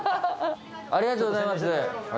ありがとうございます。